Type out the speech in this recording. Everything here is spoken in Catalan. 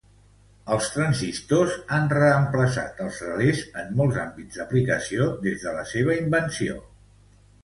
Els transistors han reemplaçat els relés en molts àmbits d'aplicació des de la seva invenció.